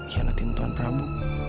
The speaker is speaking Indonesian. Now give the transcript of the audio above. dianatin tuhan prabu